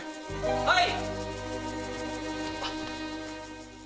はい！